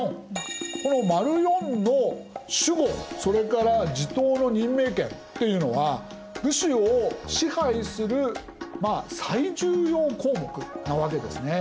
この④の守護それから地頭の任命権っていうのは武士を支配する最重要項目なわけですね。